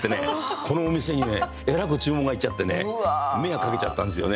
このお店にえらく注文がいっちゃってね迷惑かけちゃったんですよね。